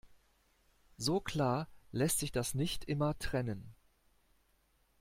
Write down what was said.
So klar lässt sich das nicht immer trennen.